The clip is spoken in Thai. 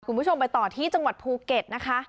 คุณผู้ชมไปต่อที่จังหวัดภูเก็ตนะคะ